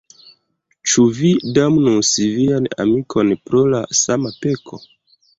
Ĉu vi damnus vian amikon pro la sama peko?